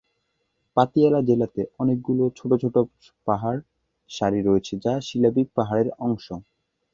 পাতিয়ালা জেলাতে অনেকগুলি ছোট ছোট পাহাড়ের সারি রয়েছে যা শিবালিক পাহাড়ের অংশ।